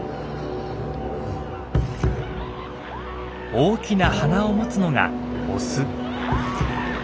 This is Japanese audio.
大きな鼻を持つのがオス。